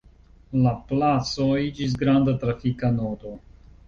La placo iĝis granda trafika nodo.